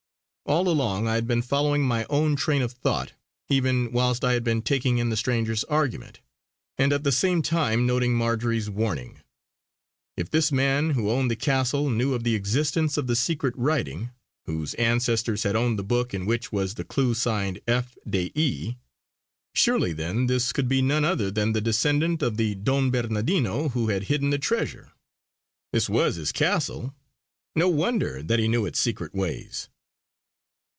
All along I had been following my own train of thought, even whilst I had been taking in the stranger's argument, and at the same time noting Marjory's warning. If this man who owned the Castle knew of the existence of the secret writing; whose ancestors had owned the book in which was the clue signed F. de E., surely then this could be none other than the descendant of the Don Bernardino who had hidden the treasure. This was his castle; no wonder that he knew its secret ways.